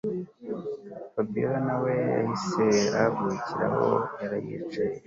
Fabiora nawe yahise ahaguruka aho yari yicaye